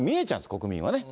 国民はね。